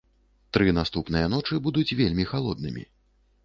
Тры наступныя ночы будуць вельмі халоднымі.